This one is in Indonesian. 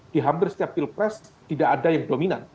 di hampir setiap pilpres tidak ada yang dominan